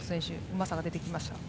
うまさが出てきました。